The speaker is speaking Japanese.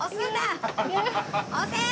押せ！